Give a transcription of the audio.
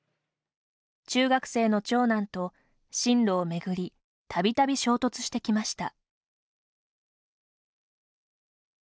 中学生の長男と、進路をめぐりたびたび衝突してきました。